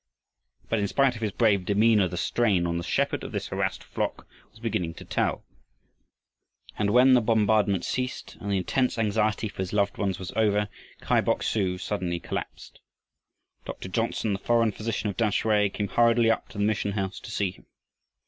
But in spite of his brave demeanor, the strain on the shepherd of this harassed flock was beginning to tell. And when the bombardment ceased and the intense anxiety for his loved ones was over, Kai Bok su suddenly collapsed. Dr. Johnsen, the foreign physician of Tamsui, came hurriedly up to the mission house to see him.